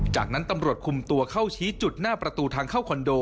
จากนั้นตำรวจคุมตัวเข้าชี้จุดหน้าประตูทางเข้าคอนโด